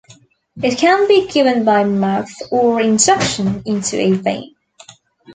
It can be given by mouth or injection into a vein.